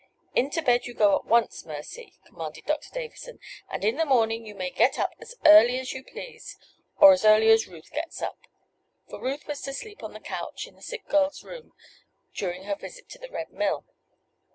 "Into bed you go at once, Mercy," commanded Doctor Davison; "and in the morning you may get up as early as you please or as early as Ruth gets up." For Ruth was to sleep on the couch in the sick girl's room during her visit to the Red Mill.